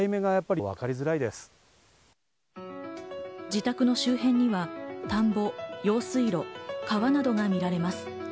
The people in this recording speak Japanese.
自宅の周辺には田んぼ、用水路、川などが見られます。